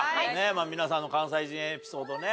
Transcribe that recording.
皆さんの関西人エピソードね